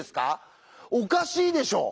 おかしいでしょ！